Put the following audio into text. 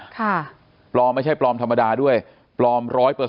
ค่ะปลอมไม่ใช่ปลอมธรรมดาด้วยปลอม๑๐๐